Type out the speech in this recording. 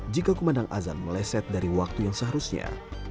jika kumandang azan meleset dari waktu yang seharusnya